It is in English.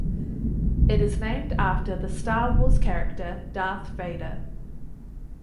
It is named after the "Star Wars" character Darth Vader.